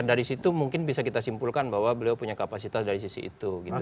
dari situ mungkin bisa kita simpulkan bahwa beliau punya kapasitas dari sisi itu